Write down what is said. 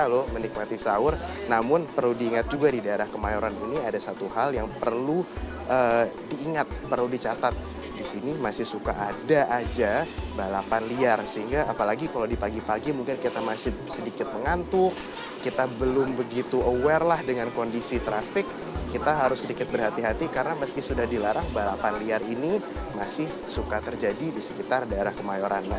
kalau ingin sahur disini juga bisa loh menikmati sahur namun perlu diingat juga di daerah kemayoran ini ada satu hal yang perlu diingat perlu dicatat disini masih suka ada aja balapan liar sehingga apalagi kalau di pagi pagi mungkin kita masih sedikit mengantuk kita belum begitu aware lah dengan kondisi trafik kita harus sedikit berhati hati karena meski sudah dilarang balapan liar ini masih suka terjadi di sekitar daerah kemayoran lah